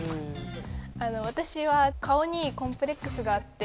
私は顔にコンプレックスがあって。